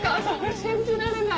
信じられない。